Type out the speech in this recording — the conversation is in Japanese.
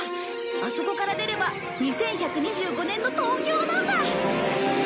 あそこから出れば２１２５年のトーキョーなんだ！